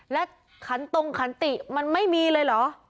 และขันตรงขันติมันไม่มีเลยเหรอ